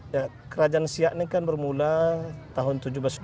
ya kerajaan siak ini kan bermula tahun seribu tujuh ratus dua puluh